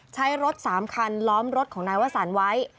ใช้รถ๓คันล้อมรถของนายวสันไว้